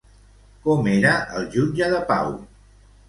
Com era el jutge de pau?